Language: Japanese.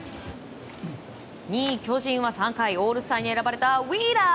２位、巨人は３回オールスターに選ばれたウィーラー。